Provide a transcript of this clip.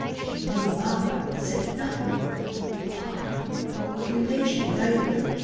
she knew Malreich and said nothing! ... Why? What relation united them?